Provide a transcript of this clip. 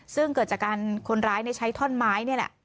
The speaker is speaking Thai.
ซึ่งเกิดจากการคนร้ายใช้ท่อนไม้นี่แหละ